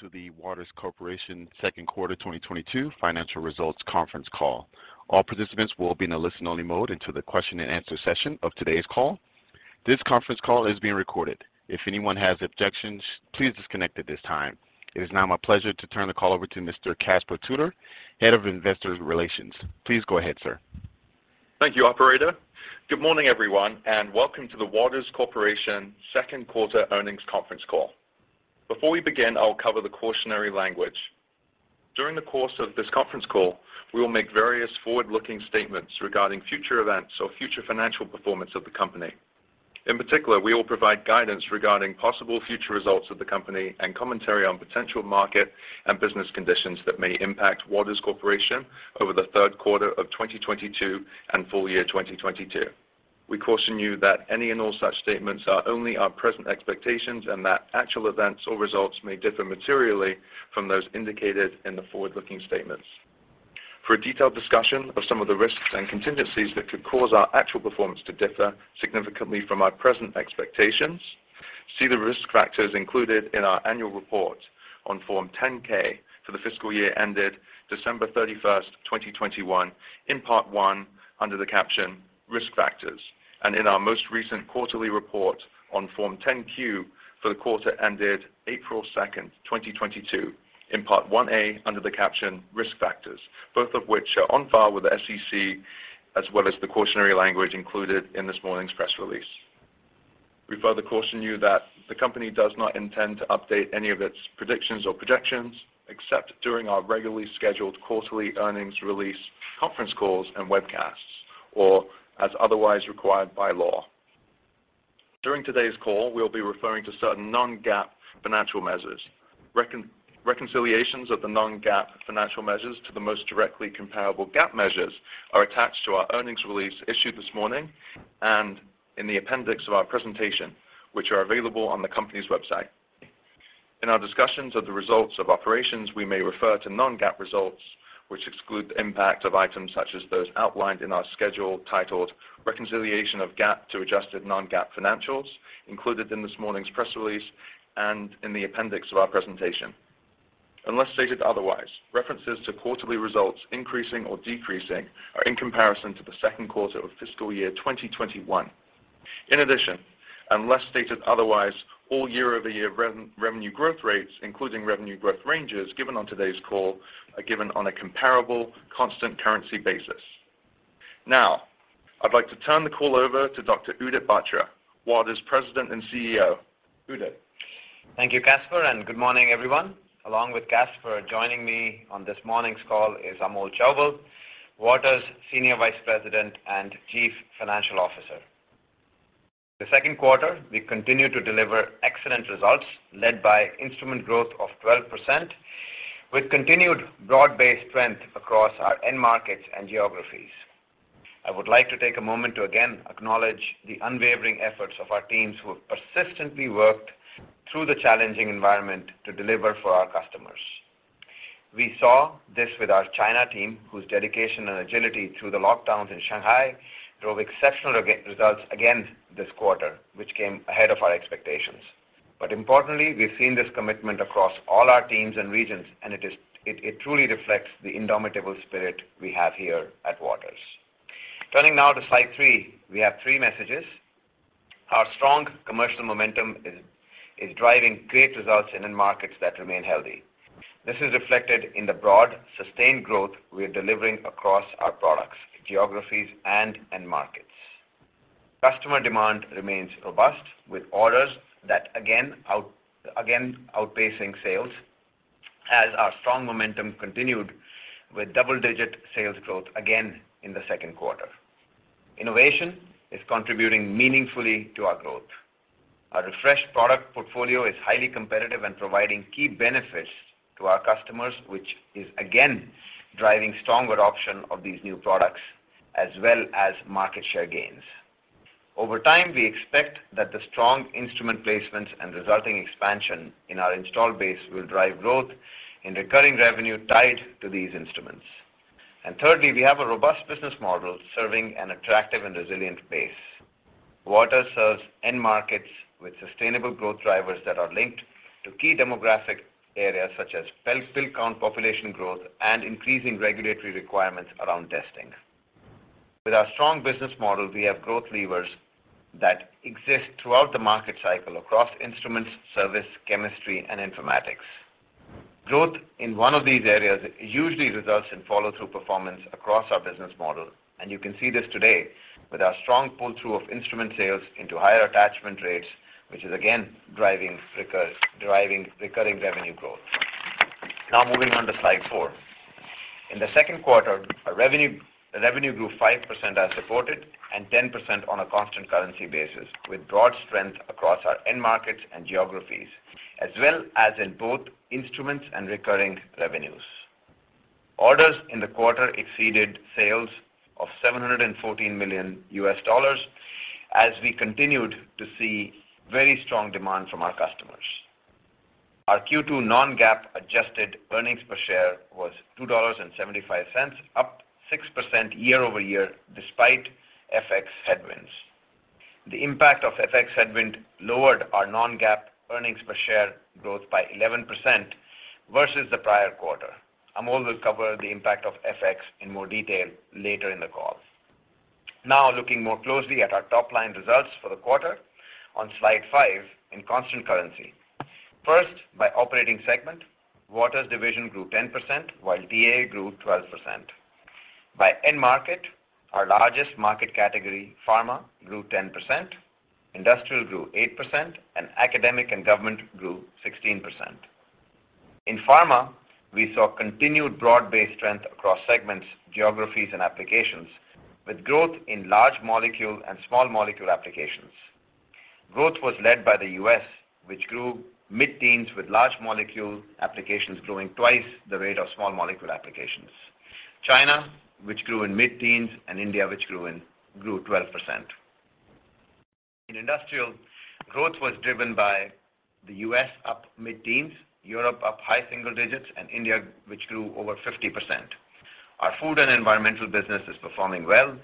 To the Waters Corporation second quarter 2022 financial results conference call. All participants will be in a listen-only mode until the question and answer session of today's call. This conference call is being recorded. If anyone has objections, please disconnect at this time. It is now my pleasure to turn the call over to Mr. Caspar Tudor, Head of Investor Relations. Please go ahead, sir. Thank you, operator. Good morning, everyone, and welcome to the Waters Corporation second quarter earnings conference call. Before we begin, I'll cover the cautionary language. During the course of this conference call, we will make various forward-looking statements regarding future events or future financial performance of the company. In particular, we will provide guidance regarding possible future results of the company and commentary on potential market and business conditions that may impact Waters Corporation over the third quarter of 2022 and full year 2022. We caution you that any and all such statements are only our present expectations and that actual events or results may differ materially from those indicated in the forward-looking statements. For a detailed discussion of some of the risks and contingencies that could cause our actual performance to differ significantly from our present expectations, see the risk factors included in our annual report on Form 10-K for the fiscal year ended December 31, 2021 in part one under the caption Risk Factors, and in our most recent quarterly report on Form 10-Q for the quarter ended April 2, 2022 in part one-A under the caption Risk Factors, both of which are on file with the SEC, as well as the cautionary language included in this morning's press release. We further caution you that the company does not intend to update any of its predictions or projections except during our regularly scheduled quarterly earnings release conference calls and webcasts or as otherwise required by law. During today's call, we'll be referring to certain non-GAAP financial measures. Reconciliations of the non-GAAP financial measures to the most directly comparable GAAP measures are attached to our earnings release issued this morning and in the appendix of our presentation, which are available on the company's website. In our discussions of the results of operations, we may refer to non-GAAP results, which exclude the impact of items such as those outlined in our schedule titled Reconciliation of GAAP to Adjusted Non-GAAP Financials included in this morning's press release and in the appendix of our presentation. Unless stated otherwise, references to quarterly results increasing or decreasing are in comparison to the second quarter of fiscal year 2021. In addition, unless stated otherwise, all year-over-year revenue growth rates, including revenue growth ranges given on today's call, are given on a comparable constant currency basis. Now, I'd like to turn the call over to Dr. Udit Batra, Waters President and CEO. Udit. Thank you, Caspar, and good morning, everyone. Along with Caspar, joining me on this morning's call is Amol Chaubal, Waters Senior Vice President and Chief Financial Officer. In the second quarter, we continued to deliver excellent results led by instrument growth of 12%, with continued broad-based strength across our end markets and geographies. I would like to take a moment to again acknowledge the unwavering efforts of our teams who have persistently worked through the challenging environment to deliver for our customers. We saw this with our China team, whose dedication and agility through the lockdowns in Shanghai drove exceptional results again this quarter, which came ahead of our expectations. Importantly, we've seen this commitment across all our teams and regions, and it truly reflects the indomitable spirit we have here at Waters. Turning now to slide three, we have three messages. Our strong commercial momentum is driving great results in end markets that remain healthy. This is reflected in the broad, sustained growth we are delivering across our products, geographies, and end markets. Customer demand remains robust, with orders that again outpacing sales as our strong momentum continued with double-digit sales growth again in the second quarter. Innovation is contributing meaningfully to our growth. Our refreshed product portfolio is highly competitive and providing key benefits to our customers, which is again driving strong adoption of these new products as well as market share gains. Over time, we expect that the strong instrument placements and resulting expansion in our installed base will drive growth in recurring revenue tied to these instruments. Thirdly, we have a robust business model serving an attractive and resilient base. Waters serves end markets with sustainable growth drivers that are linked to key demographic areas such as fertile population growth and increasing regulatory requirements around testing. With our strong business model, we have growth levers that exist throughout the market cycle across instruments, service, chemistry, and informatics. Growth in one of these areas usually results in follow-through performance across our business model, and you can see this today with our strong pull-through of instrument sales into higher attachment rates, which is again driving recurring revenue growth. Now moving on to slide four. In the second quarter, our revenue grew 5% as reported and 10% on a constant currency basis, with broad strength across our end markets and geographies, as well as in both instruments and recurring revenues. Orders in the quarter exceeded sales of $714 million as we continued to see very strong demand from our customers. Our Q2 non-GAAP adjusted earnings per share was $2.75, up 6% year-over-year despite FX headwinds. The impact of FX headwind lowered our non-GAAP earnings per share growth by 11% versus the prior quarter. Amol will cover the impact of FX in more detail later in the call. Now, looking more closely at our top line results for the quarter on slide 5 in constant currency. First, by operating segment, Waters division grew 10%, while TA grew 12%. By end market, our largest market category, pharma, grew 10%, industrial grew 8%, and academic and government grew 16%. In pharma, we saw continued broad-based strength across segments, geographies, and applications, with growth in large molecule and small molecule applications. Growth was led by the U.S., which grew mid-teens%, with large molecule applications growing twice the rate of small molecule applications. China, which grew mid-teens%, and India, which grew 12%. In industrial, growth was driven by the U.S. up mid-teens%, Europe up high single digits%, and India, which grew over 50%. Our food and environmental business is performing well,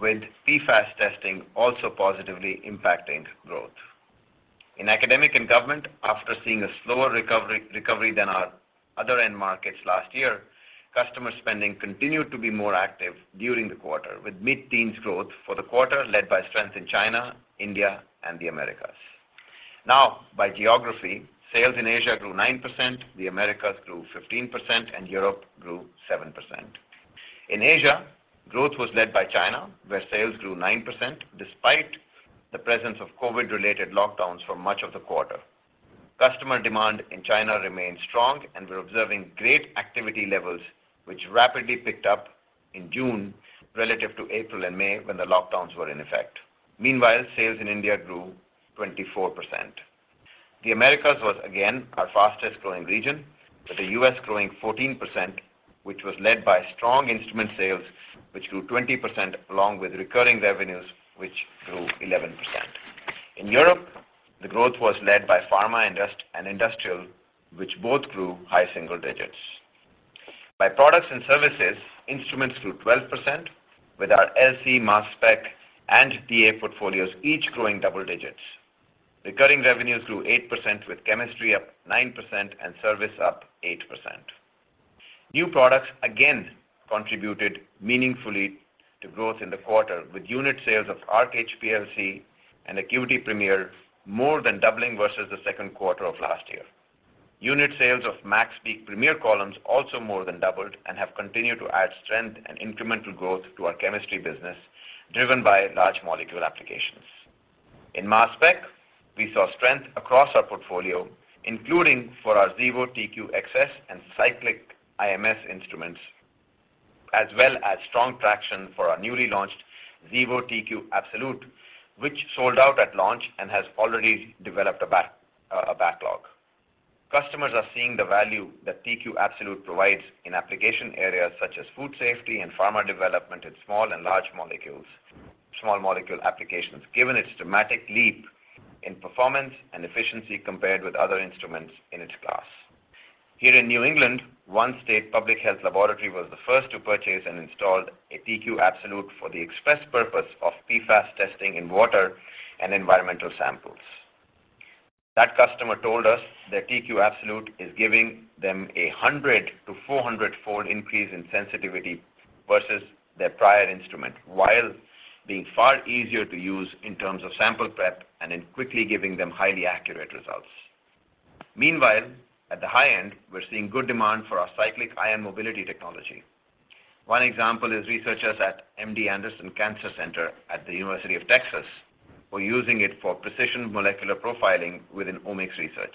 with PFAS testing also positively impacting growth. In academic and government, after seeing a slower recovery than our other end markets last year, customer spending continued to be more active during the quarter, with mid-teens% growth for the quarter led by strength in China, India, and the Americas. Now, by geography, sales in Asia grew 9%, the Americas grew 15%, and Europe grew 7%. In Asia, growth was led by China, where sales grew 9% despite the presence of COVID-related lockdowns for much of the quarter. Customer demand in China remained strong and we're observing great activity levels which rapidly picked up in June relative to April and May when the lockdowns were in effect. Meanwhile, sales in India grew 24%. The Americas was again our fastest growing region, with the U.S. growing 14%, which was led by strong instrument sales, which grew 20% along with recurring revenues, which grew 11%. In Europe, the growth was led by pharma and industrial, which both grew high single digits. By products and services, instruments grew 12%, with our LC-MS spec and DA portfolios each growing double digits. Recurring revenues grew 8%, with chemistry up 9% and service up 8%. New products again contributed meaningfully to growth in the quarter, with unit sales of Arc HPLC and ACQUITY Premier more than doubling versus the second quarter of last year. Unit sales of MaxPeak Premier columns also more than doubled and have continued to add strength and incremental growth to our chemistry business, driven by large molecule applications. In mass spec, we saw strength across our portfolio, including for our Xevo TQ-XS and Cyclic IMS instruments, as well as strong traction for our newly launched Xevo TQ Absolute, which sold out at launch and has already developed a backlog. Customers are seeing the value that TQ Absolute provides in application areas such as food safety and pharma development in small and large molecules, small molecule applications, given its dramatic leap in performance and efficiency compared with other instruments in its class. Here in New England, one state public health laboratory was the first to purchase and installed a TQ Absolute for the express purpose of PFAS testing in water and environmental samples. That customer told us their TQ Absolute is giving them a 100- to 400-fold increase in sensitivity versus their prior instrument, while being far easier to use in terms of sample prep and in quickly giving them highly accurate results. Meanwhile, at the high end, we're seeing good demand for our cyclic ion mobility technology. One example is researchers at The University of Texas MD Anderson Cancer Center were using it for precision molecular profiling within Omics research.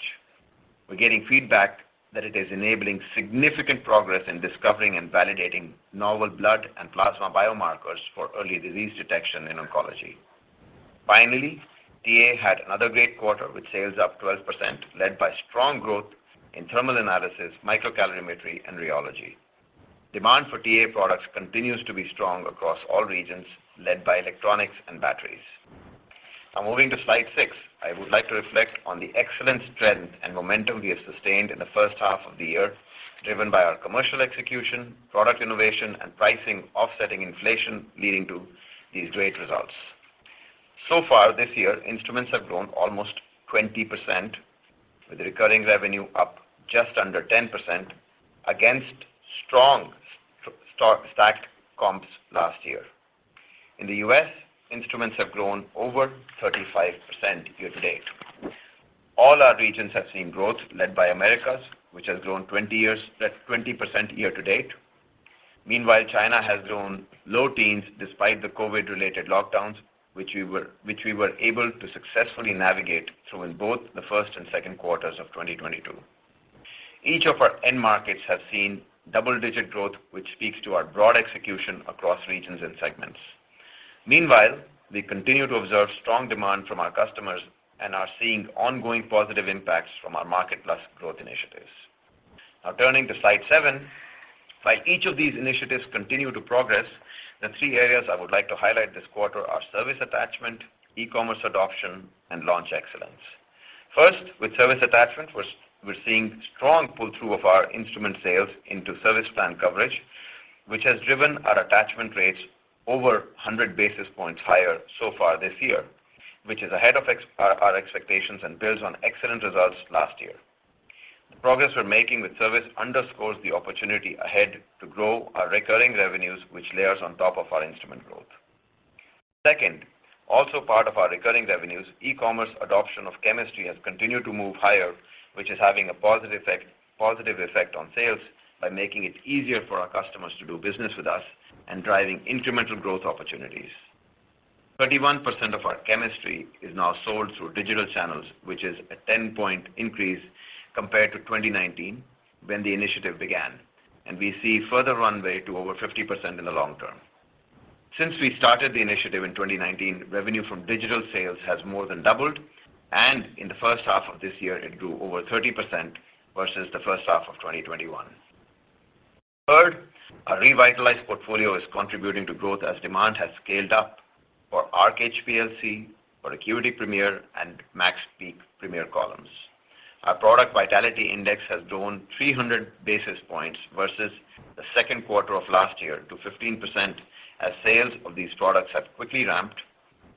We're getting feedback that it is enabling significant progress in discovering and validating novel blood and plasma biomarkers for early disease detection in oncology. Finally, DA had another great quarter with sales up 12%, led by strong growth in thermal analysis, microcalorimetry, and rheology. Demand for DA products continues to be strong across all regions, led by electronics and batteries. Now moving to slide 6, I would like to reflect on the excellent strength and momentum we have sustained in the first half of the year, driven by our commercial execution, product innovation, and pricing offsetting inflation, leading to these great results. Instruments have grown almost 20%, with recurring revenue up just under 10% against strong stacked comps last year. In the US, instruments have grown over 35% year to date. All our regions have seen growth led by Americas, which has grown 20% year to date. Meanwhile, China has grown low teens despite the COVID-related lockdowns which we were able to successfully navigate through in both the first and second quarters of 2022. Each of our end markets has seen double-digit growth, which speaks to our broad execution across regions and segments. Meanwhile, we continue to observe strong demand from our customers and are seeing ongoing positive impacts from our Market Plus growth initiatives. Now turning to slide 7, while each of these initiatives continue to progress, the three areas I would like to highlight this quarter are service attachment, e-commerce adoption, and launch excellence. First, with service attachment, we're seeing strong pull-through of our instrument sales into service plan coverage, which has driven our attachment rates over 100 basis points higher so far this year, which is ahead of our expectations and builds on excellent results last year. The progress we're making with service underscores the opportunity ahead to grow our recurring revenues, which layers on top of our instrument growth. Second, also part of our recurring revenues, e-commerce adoption of chemistry has continued to move higher, which is having a positive effect on sales by making it easier for our customers to do business with us and driving incremental growth opportunities. 31% of our chemistry is now sold through digital channels, which is a 10-point increase compared to 2019 when the initiative began, and we see further runway to over 50% in the long term. Since we started the initiative in 2019, revenue from digital sales has more than doubled, and in the first half of this year, it grew over 30% versus the first half of 2021. Third, our revitalized portfolio is contributing to growth as demand has scaled up for Arc HPLC, for ACQUITY Premier and MaxPeak Premier columns. Our product vitality index has grown 300 basis points versus the second quarter of last year to 15% as sales of these products have quickly ramped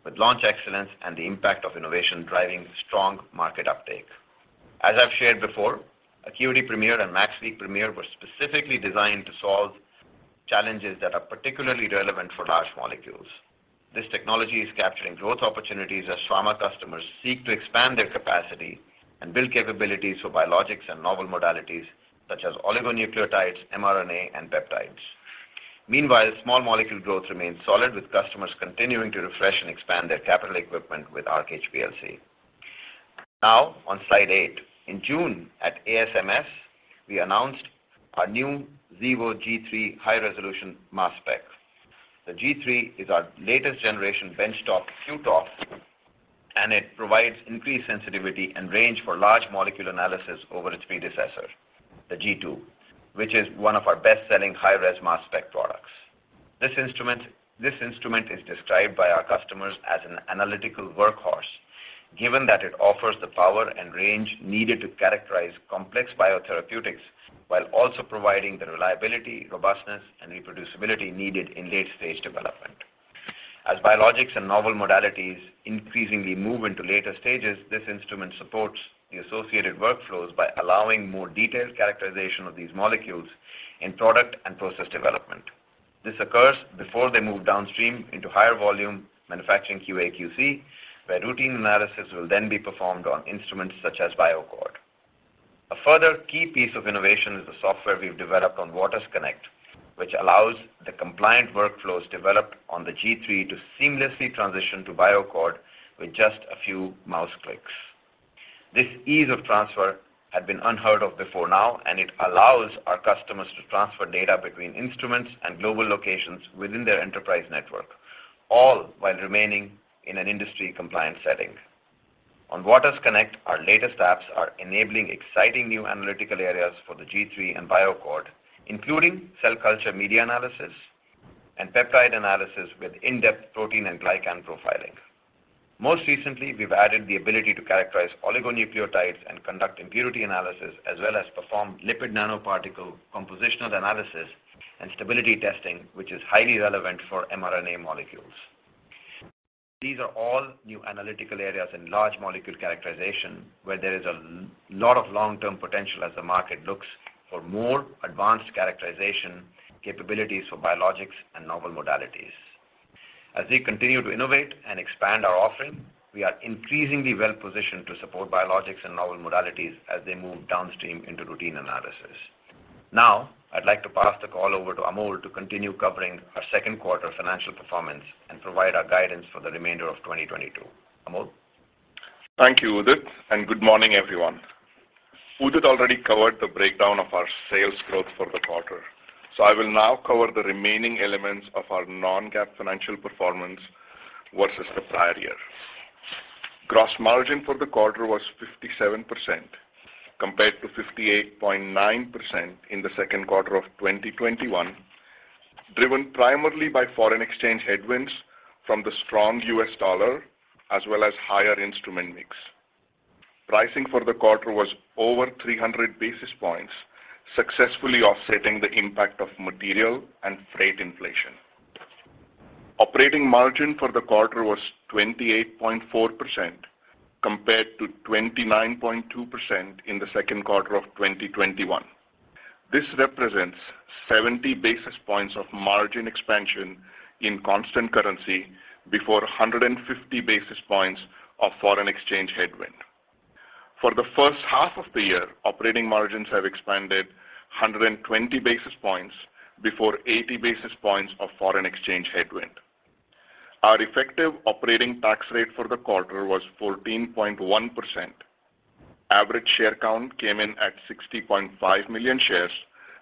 with launch excellence and the impact of innovation driving strong market uptake. As I've shared before, ACQUITY Premier and MaxPeak Premier were specifically designed to solve challenges that are particularly relevant for large molecules. This technology is capturing growth opportunities as pharma customers seek to expand their capacity and build capabilities for biologics and novel modalities such as oligonucleotides, mRNA, and peptides. Meanwhile, small molecule growth remains solid with customers continuing to refresh and expand their capital equipment with Arc HPLC. Now on slide eight. In June at ASMS, we announced our new Xevo G3 high resolution mass spec. The G3 is our latest generation benchtop Q-TOF, and it provides increased sensitivity and range for large molecule analysis over its predecessor, the G2, which is one of our best-selling high res mass spec products. This instrument is described by our customers as an analytical workhorse, given that it offers the power and range needed to characterize complex biotherapeutics while also providing the reliability, robustness, and reproducibility needed in late-stage development. As biologics and novel modalities increasingly move into later stages, this instrument supports the associated workflows by allowing more detailed characterization of these molecules in product and process development. This occurs before they move downstream into higher volume manufacturing QA/QC, where routine analysis will then be performed on instruments such as BioAccord. A further key piece of innovation is the software we've developed on waters_connect, which allows the compliant workflows developed on the G3 to seamlessly transition to BioAccord with just a few mouse clicks. This ease of transfer had been unheard of before now, and it allows our customers to transfer data between instruments and global locations within their enterprise network, all while remaining in an industry-compliant setting. On waters_connect, our latest apps are enabling exciting new analytical areas for the G3 and BioAccord, including cell culture media analysis and peptide analysis with in-depth protein and glycan profiling. Most recently, we've added the ability to characterize oligonucleotides and conduct impurity analysis, as well as perform lipid nanoparticle compositional analysis and stability testing, which is highly relevant for mRNA molecules. These are all new analytical areas in large molecule characterization, where there is a lot of long-term potential as the market looks for more advanced characterization capabilities for biologics and novel modalities. As we continue to innovate and expand our offering, we are increasingly well positioned to support biologics and novel modalities as they move downstream into routine analysis. Now, I'd like to pass the call over to Amol to continue covering our second quarter financial performance and provide our guidance for the remainder of 2022. Amol? Thank you, Udit, and good morning, everyone. Udit already covered the breakdown of our sales growth for the quarter, so I will now cover the remaining elements of our non-GAAP financial performance versus the prior year. Gross margin for the quarter was 57% compared to 58.9% in the second quarter of 2021, driven primarily by foreign exchange headwinds from the strong U.S. dollar as well as higher instrument mix. Pricing for the quarter was over 300 basis points, successfully offsetting the impact of material and freight inflation. Operating margin for the quarter was 28.4% compared to 29.2% in the second quarter of 2021. This represents 70 basis points of margin expansion in constant currency before 150 basis points of foreign exchange headwind. For the first half of the year, operating margins have expanded 120 basis points before 80 basis points of foreign exchange headwind. Our effective operating tax rate for the quarter was 14.1%. Average share count came in at 60.5 million shares,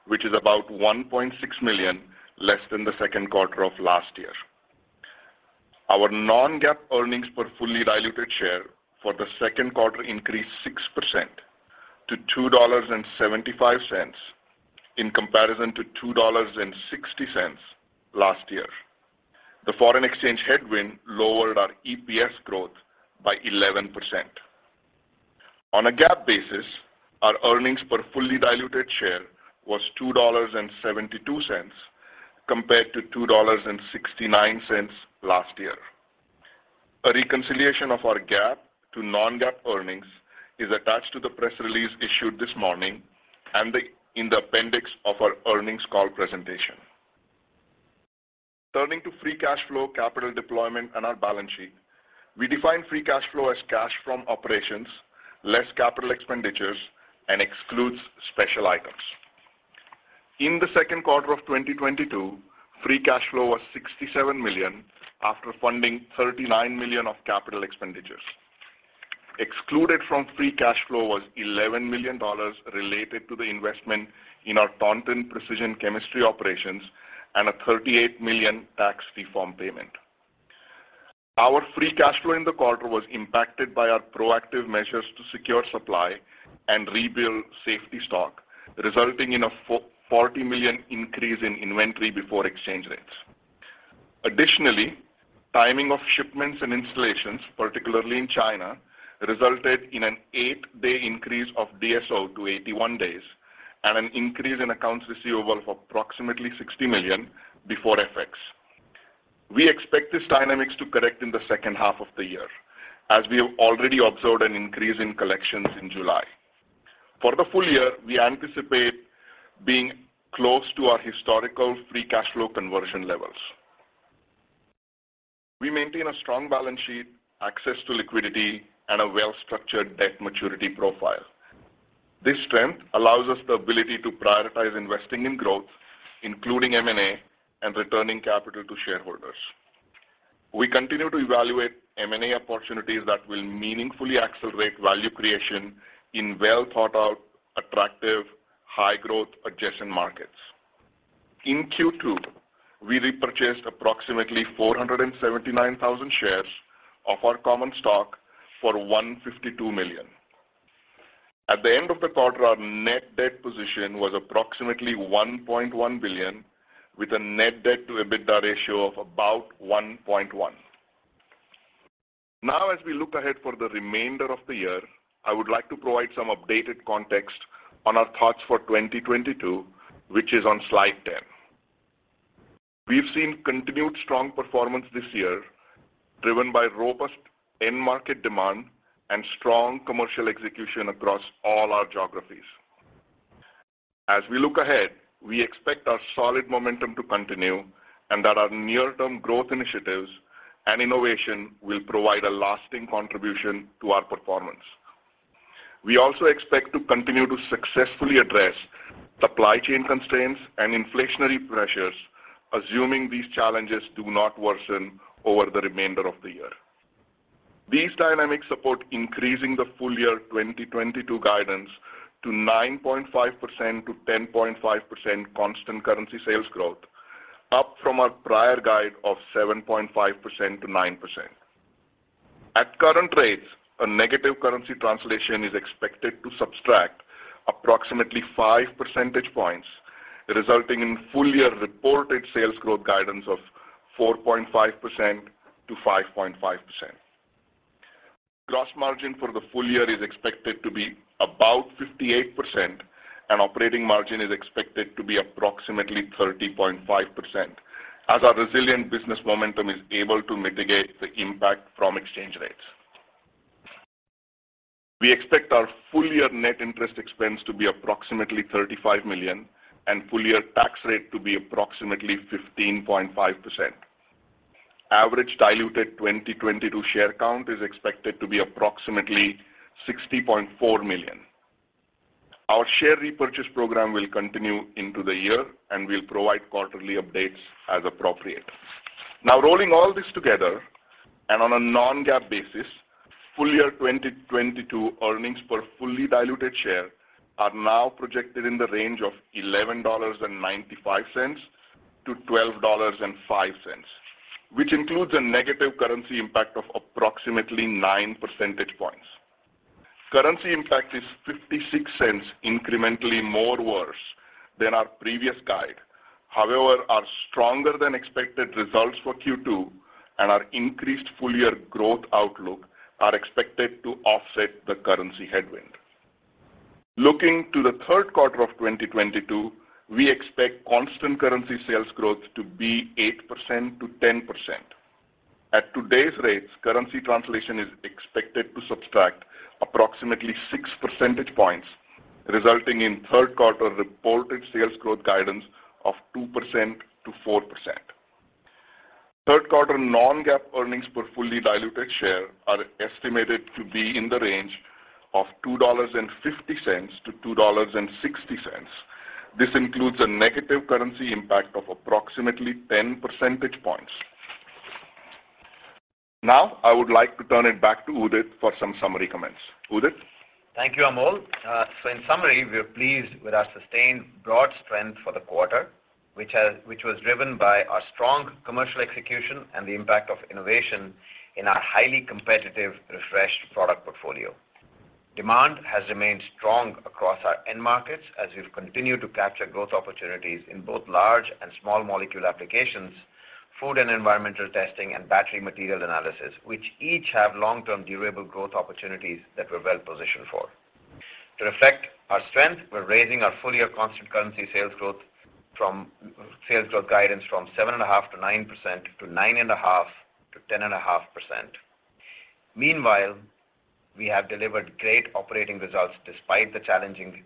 which is about 1.6 million less than the second quarter of last year. Our non-GAAP earnings per fully diluted share for the second quarter increased 6% to $2.75 in comparison to $2.60 last year. The foreign exchange headwind lowered our EPS growth by 11%. On a GAAP basis, our earnings per fully diluted share was $2.72 compared to $2.69 last year. A reconciliation of our GAAP to non-GAAP earnings is attached to the press release issued this morning and in the appendix of our earnings call presentation. Turning to free cash flow, capital deployment, and our balance sheet. We define free cash flow as cash from operations, less capital expenditures, and excludes special items. In the second quarter of 2022, free cash flow was $67 million, after funding $39 million of capital expenditures. Excluded from free cash flow was $11 million related to the investment in our Taunton precision chemistry operations and a $38 million tax reform payment. Our free cash flow in the quarter was impacted by our proactive measures to secure supply and rebuild safety stock, resulting in a 40 million increase in inventory before exchange rates. Additionally, timing of shipments and installations, particularly in China, resulted in an 8-day increase of DSO to 81 days and an increase in accounts receivable of approximately $60 million before FX. We expect these dynamics to correct in the second half of the year as we have already observed an increase in collections in July. For the full year, we anticipate being close to our historical free cash flow conversion levels. We maintain a strong balance sheet, access to liquidity, and a well-structured debt maturity profile. This strength allows us the ability to prioritize investing in growth, including M&A, and returning capital to shareholders. We continue to evaluate M&A opportunities that will meaningfully accelerate value creation in well-thought-out, attractive, high growth adjacent markets. In Q2, we repurchased approximately 479,000 shares of our common stock for $152 million. At the end of the quarter, our net debt position was approximately $1.1 billion, with a net debt to EBITDA ratio of about 1.1. Now as we look ahead for the remainder of the year, I would like to provide some updated context on our thoughts for 2022, which is on slide 10. We've seen continued strong performance this year, driven by robust end market demand and strong commercial execution across all our geographies. As we look ahead, we expect our solid momentum to continue, and that our near-term growth initiatives and innovation will provide a lasting contribution to our performance. We also expect to continue to successfully address supply chain constraints and inflationary pressures, assuming these challenges do not worsen over the remainder of the year. These dynamics support increasing the full year 2022 guidance to 9.5%-10.5% constant currency sales growth, up from our prior guide of 7.5%-9%. At current rates, a negative currency translation is expected to subtract approximately five percentage points, resulting in full year reported sales growth guidance of 4.5%-5.5%. Gross margin for the full year is expected to be about 58%, and operating margin is expected to be approximately 30.5%, as our resilient business momentum is able to mitigate the impact from exchange rates. We expect our full year net interest expense to be approximately $35 million and full year tax rate to be approximately 15.5%. Average diluted 2022 share count is expected to be approximately 60.4 million. Our share repurchase program will continue into the year, and we'll provide quarterly updates as appropriate. Now, rolling all this together and on a non-GAAP basis, full year 2022 earnings per fully diluted share are now projected in the range of $11.95-$12.05, which includes a negative currency impact of approximately 9 percentage points. Currency impact is 56 cents incrementally more worse than our previous guide. However, our stronger than expected results for Q2 and our increased full year growth outlook are expected to offset the currency headwind. Looking to the third quarter of 2022, we expect constant currency sales growth to be 8%-10%. At today's rates, currency translation is expected to subtract approximately 6 percentage points, resulting in third quarter reported sales growth guidance of 2%-4%. Third quarter non-GAAP earnings per fully diluted share are estimated to be in the range of $2.50-$2.60. This includes a negative currency impact of approximately 10 percentage points. Now I would like to turn it back to Udit for some summary comments. Udit? Thank you, Amol. In summary, we are pleased with our sustained broad strength for the quarter, which was driven by our strong commercial execution and the impact of innovation in our highly competitive, refreshed product portfolio. Demand has remained strong across our end markets as we've continued to capture growth opportunities in both large and small molecule applications, food and environmental testing, and battery material analysis, which each have long-term durable growth opportunities that we're well-positioned for. To reflect our strength, we're raising our full-year constant currency sales growth guidance from 7.5%-9% to 9.5%-10.5%. Meanwhile, we have delivered great operating results despite the challenging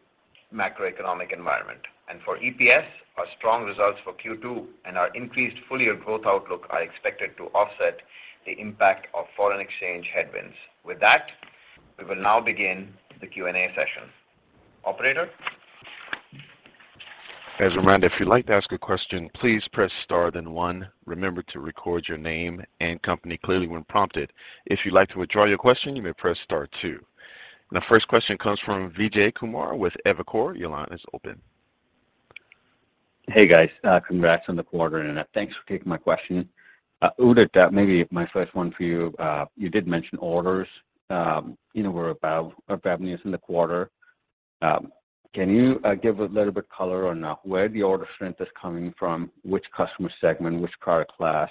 macroeconomic environment. For EPS, our strong results for Q2 and our increased full-year growth outlook are expected to offset the impact of foreign exchange headwinds. With that, we will now begin the Q&A session. Operator? As a reminder, if you'd like to ask a question, please press star then one. Remember to record your name and company clearly when prompted. If you'd like to withdraw your question, you may press star two. The first question comes from Vijay Kumar with Evercore. Your line is open. Hey, guys. Congrats on the quarter, and thanks for taking my question. Udit, maybe my first one for you. You did mention orders, you know, were above our revenues in the quarter. Can you give a little bit color on where the order strength is coming from, which customer segment, which product class?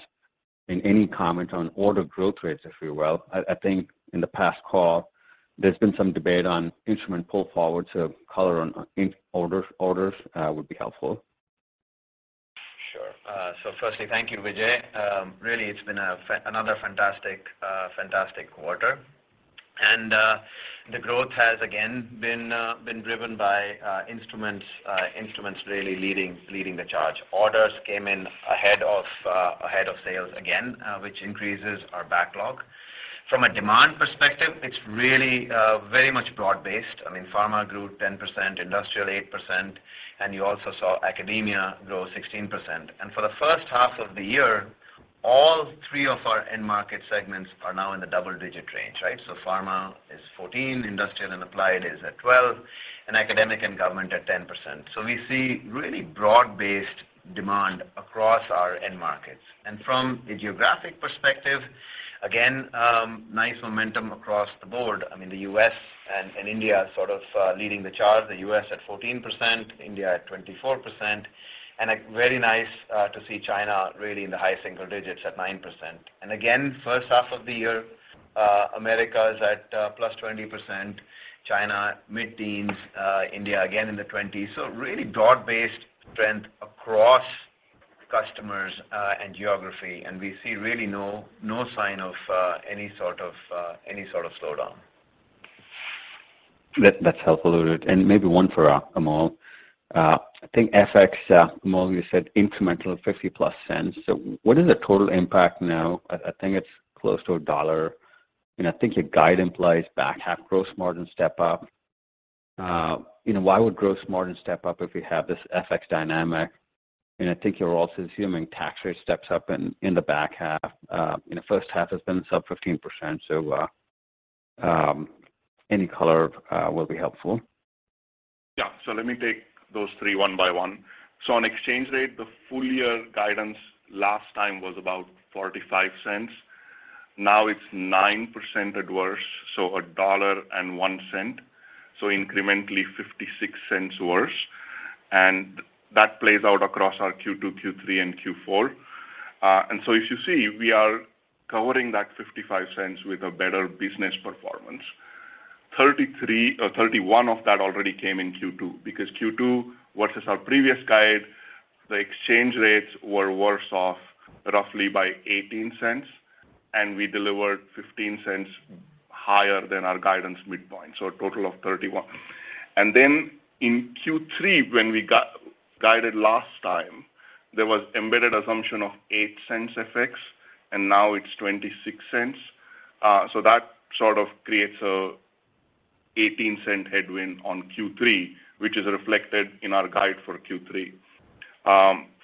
Any comment on order growth rates, if you will. I think in the past call, there's been some debate on instrument pull forward, so color on orders would be helpful. Sure. First, thank you, Vijay. Really, it's been another fantastic quarter. The growth has again been driven by instruments really leading the charge. Orders came in ahead of sales again, which increases our backlog. From a demand perspective, it's really very much broad-based. I mean, pharma grew 10%, industrial 8%, and you also saw academia grow 16%. For the first half of the year, all three of our end market segments are now in the double-digit range, right? Pharma is 14, industrial and applied is at 12, and academic and government at 10%. We see really broad-based demand across our end markets. From a geographic perspective, again, nice momentum across the board. I mean, the U.S. and India are sort of leading the charge, the U.S. at 14%, India at 24%. A very nice to see China really in the high single digits at 9%. Again, first half of the year, Americas at plus 20%, China mid-teens, India again in the twenties. Really broad-based trend across customers and geography. We see really no sign of any sort of slowdown. That's helpful, Udit. Maybe one for Amol. I think FX, Amol, you said incremental of 50+ cents. What is the total impact now? I think it's close to $1, and I think your guide implies back half gross margin step up. You know, why would gross margin step up if we have this FX dynamic? I think you're also assuming tax rate steps up in the back half. In the first half, it's been sub 15%. Any color will be helpful. Yeah. Let me take those three one by one. On exchange rate, the full year guidance last time was about $0.45. Now it's 9% adverse, so $1.01, so incrementally $0.56 worse. That plays out across our Q2, Q3, and Q4. If you see, we are covering that $0.55 with a better business performance. 33 or 31 of that already came in Q2, because Q2 versus our previous guide, the exchange rates were worse off roughly by $0.18, and we delivered $0.15 higher than our guidance midpoint, so a total of $0.31. Then in Q3, when we got guided last time, there was embedded assumption of $0.08 FX, and now it's $0.26. That sort of creates a $0.18 headwind on Q3, which is reflected in our guide for Q3.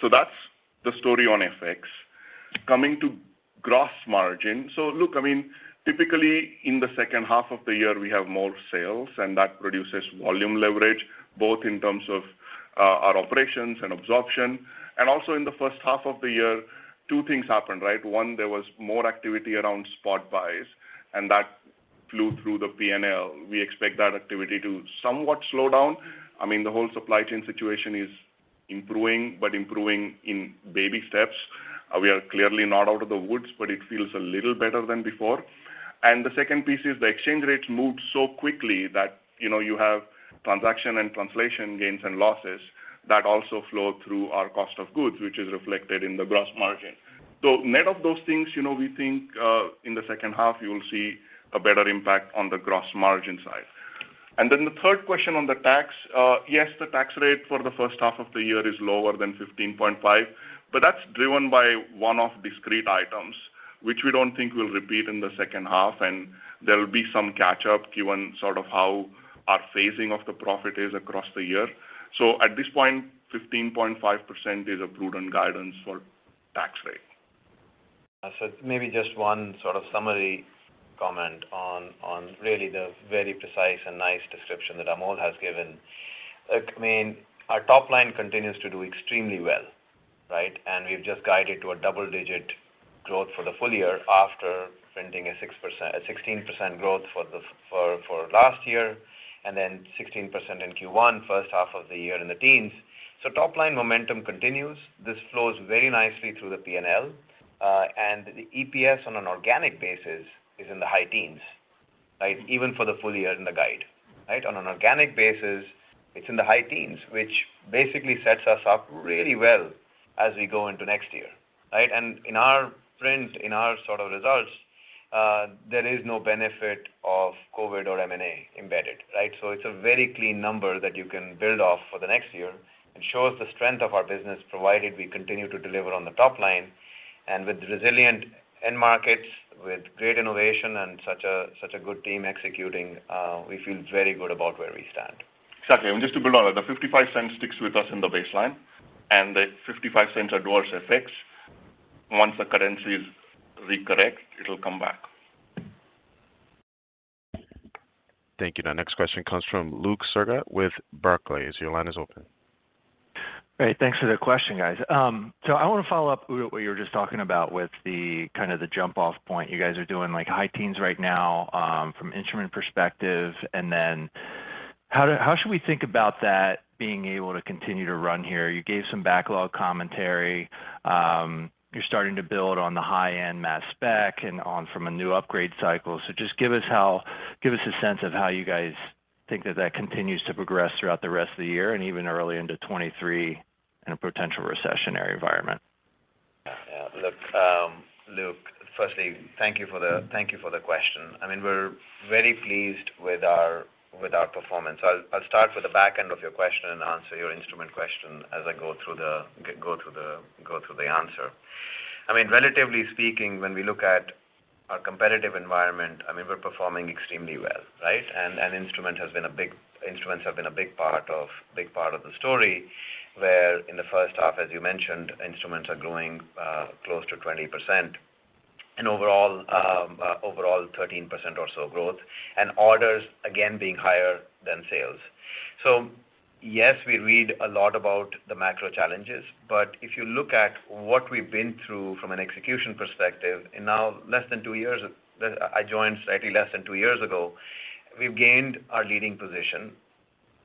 That's the story on FX. Coming to gross margin. Look, I mean, typically in the second half of the year, we have more sales, and that produces volume leverage, both in terms of our operations and absorption. Also in the first half of the year, two things happened, right? One, there was more activity around spot buys, and that flew through the P&L. We expect that activity to somewhat slow down. I mean, the whole supply chain situation is improving but improving in baby steps. We are clearly not out of the woods, but it feels a little better than before. The second piece is the exchange rate moved so quickly that, you know, you have transaction and translation gains and losses that also flow through our cost of goods, which is reflected in the gross margin. Net of those things, you know, we think in the second half you will see a better impact on the gross margin side. The third question on the tax, yes, the tax rate for the first half of the year is lower than 15.5%, but that's driven by one-off discrete items, which we don't think will repeat in the second half, and there'll be some catch-up given sort of how our phasing of the profit is across the year. At this point, 15.5% is a prudent guidance for tax rate. Maybe just one sort of summary comment on really the very precise and that Amol has given. Look, I mean, our top line continues to do extremely well, right? We've just guided to double-digit growth for the full year after printing 16% growth for last year, and then 16% in Q1, first half of the year in the teens. Top line momentum continues. This flows very nicely through the P&L, and the EPS on an organic basis is in the high teens, right? Even for the full year in the guide, right? On an organic basis, it's in the high teens, which basically sets us up really well as we go into next year, right? In our print, in our sort of results, there is no benefit of COVID or M&A embedded, right? It's a very clean number that you can build off for the next year. It shows the strength of our business, provided we continue to deliver on the top line. With resilient end markets, with great innovation and such a good team executing, we feel very good about where we stand. Exactly. Just to build on it, the $0.55 sticks with us in the baseline and the $0.55 adverse effects, once the currency re-correct, it'll come back. Thank you. Now next question comes from Luke Sergott with Barclays. Your line is open. Hey, thanks for the question, guys. I want to follow up with what you were just talking about with the kind of the jump-off point. You guys are doing like high teens% right now, from instrument perspective and then how should we think about that being able to continue to run here? You gave some backlog commentary. You're starting to build on the high-end mass spec and on from a new upgrade cycle. Just give us a sense of how you guys think that continues to progress throughout the rest of the year and even early into 2023 in a potential recessionary environment. Yeah. Look, Luke, firstly, thank you for the question. I mean, we're very pleased with our performance. I'll start with the back end of your question and answer your instrument question as I go through the answer. I mean, relatively speaking, when we look at our competitive environment, I mean, we're performing extremely well, right? Instruments have been a big part of the story where in the first half, as you mentioned, instruments are growing close to 20% and overall 13% or so growth. Orders, again, being higher than sales. Yes, we read a lot about the macro challenges, but if you look at what we've been through from an execution perspective, in now less than two years, I joined slightly less than two years ago, we've gained our leading position.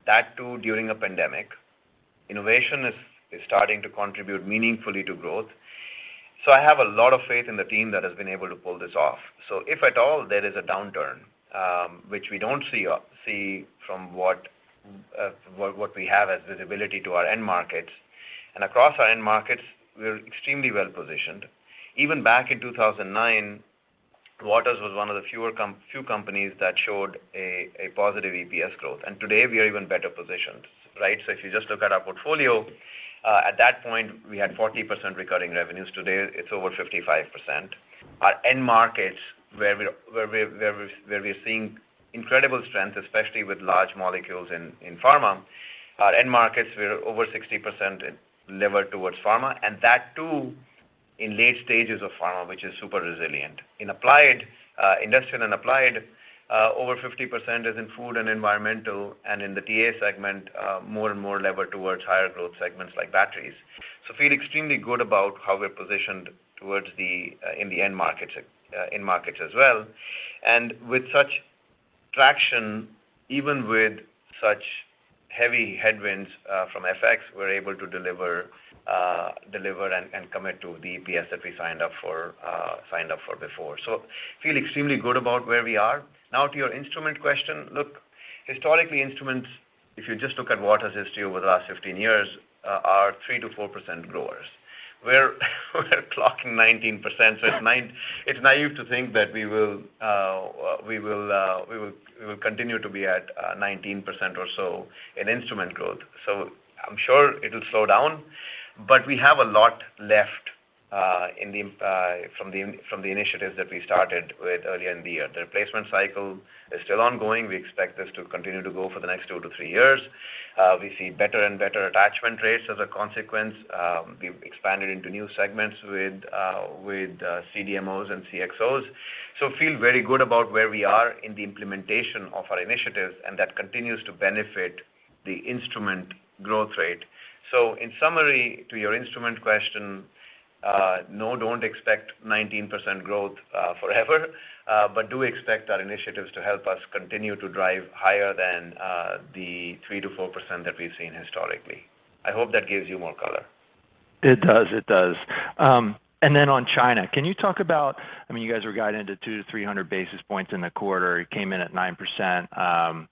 That too during a pandemic. Innovation is starting to contribute meaningfully to growth. I have a lot of faith in the team that has been able to pull this off. If at all there is a downturn, which we don't see from what we have as visibility to our end markets. Across our end markets, we're extremely well-positioned. Even back in 2009, Waters was one of the few companies that showed a positive EPS growth. Today we are even better positioned, right? If you just look at our portfolio, at that point, we had 40% recurring revenues. Today, it's over 55%. Our end markets where we're seeing incredible strength, especially with large molecules in pharma. Our end markets, we're over 60% levered towards pharma, and that too in late stages of pharma, which is super resilient. In applied, industrial and applied, over 50% is in food and environmental. In the DA segment, more and more levered towards higher growth segments like batteries. Feel extremely good about how we're positioned towards the in the end markets in markets as well. With such traction, even with such heavy headwinds from FX, we're able to deliver and commit to the EPS that we signed up for before. Feel extremely good about where we are. Now to your instrument question. Look, historically, instruments, if you just look at Waters' history over the last 15 years, are 3%-4% growers. We're clocking 19%. It's naive to think that we will continue to be at 19% or so in instrument growth. I'm sure it'll slow down, but we have a lot left from the initiatives that we started with earlier in the year. The replacement cycle is still ongoing. We expect this to continue to go for the next 2-3 years. We see better and better attachment rates as a consequence. We've expanded into new segments with CDMOs and CROs. Feel very good about where we are in the implementation of our initiatives, and that continues to benefit the instrument growth rate. In summary, to your instrument question, no, don't expect 19% growth forever, but do expect our initiatives to help us continue to drive higher than the 3%-4% that we've seen historically. I hope that gives you more color. It does. On China, can you talk about, I mean, you guys were guiding to 200-300 basis points in the quarter. You came in at 9%.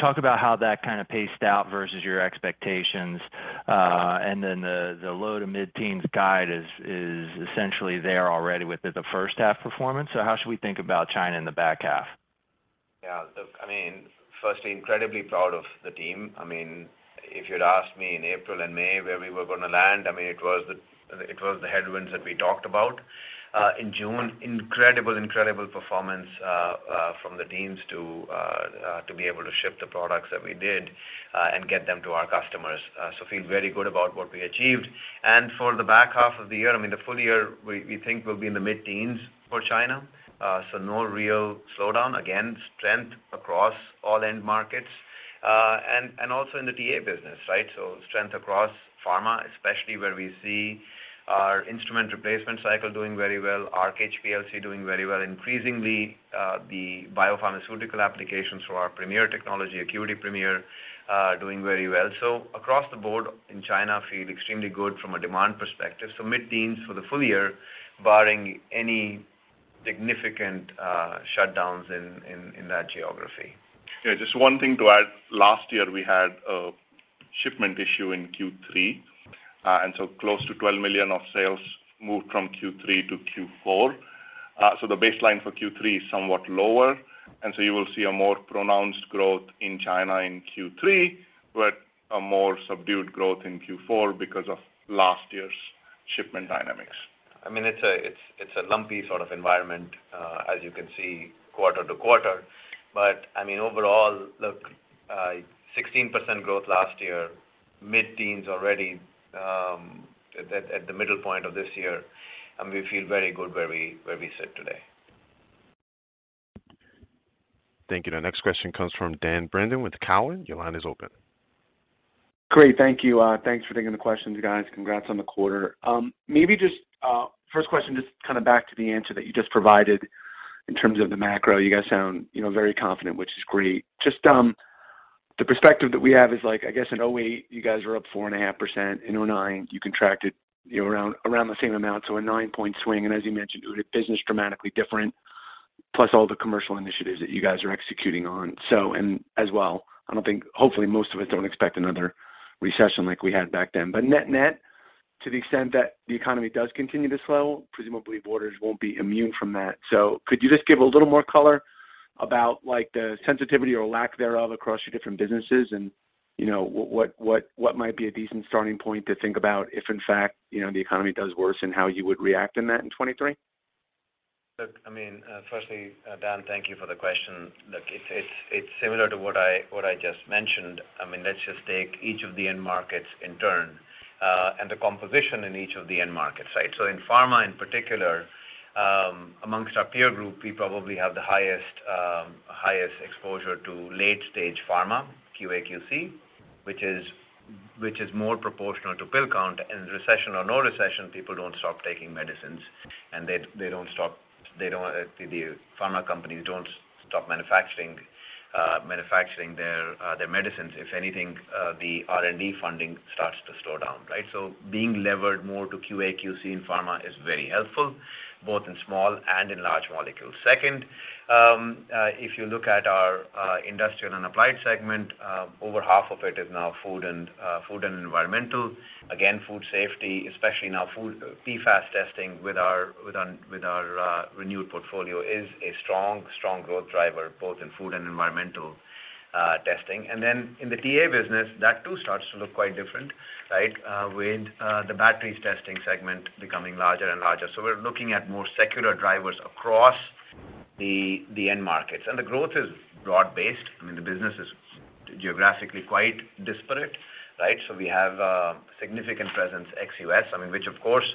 Talk about how that kind of paced out versus your expectations. The low- to mid-teens guide is essentially there already with the first half performance. How should we think about China in the back half? Yeah, look, I mean, firstly, incredibly proud of the team. I mean, if you'd asked me in April and May where we were gonna land, I mean, it was the headwinds that we talked about. In June, incredible performance from the teams to be able to ship the products that we did and get them to our customers. So feel very good about what we achieved. For the back half of the year, I mean, the full year, we think will be in the mid-teens for China. So no real slowdown. Again, strength across all end markets. And also in the TA business, right? So strength across pharma, especially where we see our instrument replacement cycle doing very well, Arc HPLC doing very well. Increasingly, the biopharmaceutical applications for our Premier technology, ACQUITY Premier, are doing very well. Across the board in China, we feel extremely good from a demand perspective. Mid-teens% for the full year, barring any significant shutdowns in that geography. Yeah, just one thing to add. Last year, we had a shipment issue in Q3, and so close to $12 million of sales moved from Q3 to Q4. The baseline for Q3 is somewhat lower, and so you will see a more pronounced growth in China in Q3, but a more subdued growth in Q4 because of last year's shipment dynamics. I mean, it's a lumpy sort of environment, as you can see quarter to quarter. I mean, overall, look, 16% growth last year, mid-teens% already, at the middle point of this year, and we feel very good where we sit today. Thank you. The next question comes from Dan Brennan with Cowen. Your line is open. Great. Thank you. Thanks for taking the questions, guys. Congrats on the quarter. Maybe just first question, just kind of back to the answer that you just provided in terms of the macro. You guys sound, you know, very confident, which is great. Just the perspective that we have is like, I guess in 2008, you guys were up 4.5%. In 2009, you contracted, you know, around the same amount, so a 9-point swing. As you mentioned, Udit, business dramatically different, plus all the commercial initiatives that you guys are executing on. I don't think, hopefully, most of us don't expect another recession like we had back then. Net-net, to the extent that the economy does continue to slow, presumably Waters won't be immune from that. Could you just give a little more color about, like, the sensitivity or lack thereof across your different businesses and, you know, what might be a decent starting point to think about if in fact, you know, the economy does worse and how you would react in that in 2023? Look, I mean, firstly, Dan, thank you for the question. Look, it's similar to what I just mentioned. I mean, let's just take each of the end markets in turn, and the composition in each of the end markets, right? In pharma in particular, among our peer group, we probably have the highest exposure to late-stage pharma, QA/QC, which is more proportional to pill count and recession or no recession, people don't stop taking medicines. The pharma companies don't stop manufacturing their medicines. If anything, the R&D funding starts to slow down, right? Being levered more to QA/QC in pharma is very helpful, both in small and in large molecules. Second, if you look at our industrial and applied segment, over half of it is now food and environmental. Again, food safety, especially now food PFAS testing with our renewed portfolio is a strong growth driver both in food and environmental testing. In the TA business, that too starts to look quite different, right? With the batteries testing segment becoming larger and larger. We're looking at more secular drivers across the end markets. The growth is broad-based. I mean, the business is geographically quite disparate, right? We have a significant presence ex-U.S., I mean, which of course,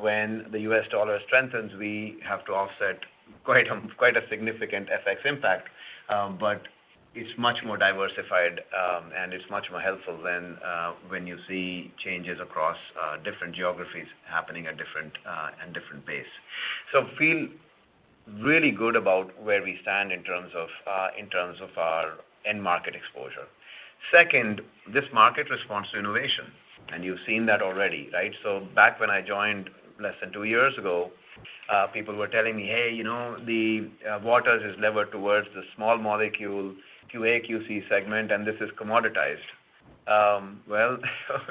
when the U.S. dollar strengthens, we have to offset quite a significant FX impact. It's much more diversified, and it's much more helpful than when you see changes across different geographies happening at different paces. We feel really good about where we stand in terms of our end market exposure. Second, this market responds to innovation, and you've seen that already, right? Back when I joined less than two years ago, people were telling me, "Hey, you know, the Waters is levered towards the small molecule QA/QC segment, and this is commoditized." Well,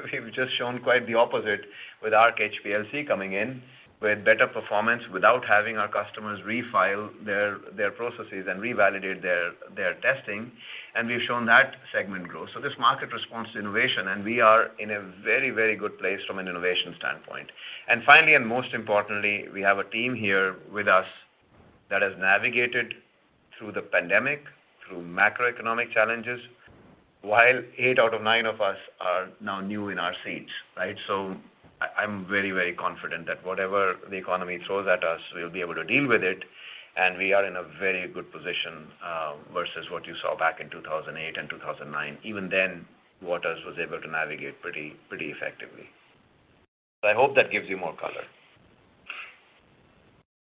we've just shown quite the opposite with Arc HPLC coming in with better performance without having our customers refile their processes and revalidate their testing, and we've shown that segment growth. This market responds to innovation, and we are in a very, very good place from an innovation standpoint. Finally, and most importantly, we have a team here with us that has navigated through the pandemic, through macroeconomic challenges, while eight out of nine of us are now new in our seats, right? I'm very, very confident that whatever the economy throws at us, we'll be able to deal with it, and we are in a very good position versus what you saw back in 2008 and 2009. Even then, Waters was able to navigate pretty effectively. I hope that gives you more color.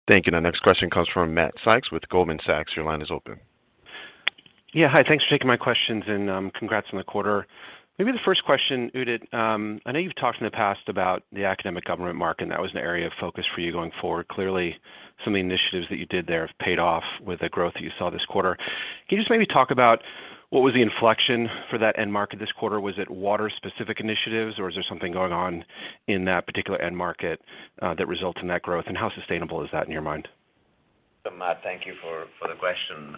Thank you. The next question comes from Matthew Sykes with Goldman Sachs. Your line is open. Yeah. Hi, thanks for taking my questions and congrats on the quarter. Maybe the first question, Udit. I know you've talked in the past about the academic government market, and that was an area of focus for you going forward. Clearly, some of the initiatives that you did there have paid off with the growth that you saw this quarter. Can you just maybe talk about what was the inflection for that end market this quarter? Was it Waters-specific initiatives, or is there something going on in that particular end market that results in that growth, and how sustainable is that in your mind? Matt, thank you for the question.